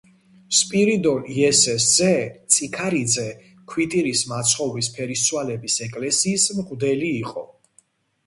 სპირიდონ იესეს ძე წიქარიძე ქვიტირის მაცხოვრის ფერისცვალების ეკლესიის მღვდელი იყო.